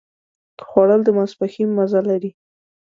خوړل د ماسپښين مزه لري